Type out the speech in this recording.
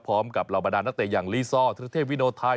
พร้อมกับลาวบรรดานัตเตะอย่างลีซอร์ทรัศเทพวิโนไทย